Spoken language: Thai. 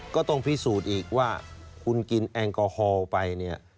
ก็ต้องพิสูจน์อีกว่าคุณกินแอลกอฮอล์ไปเนี่ย